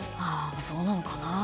そうなのかな。